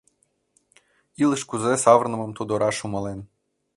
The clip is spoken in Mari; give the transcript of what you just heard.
Илыш кузе савырнымым тудо раш умылен.